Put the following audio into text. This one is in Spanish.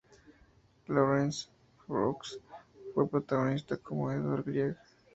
Lawrence Brooks fue protagonista como Edvard Grieg.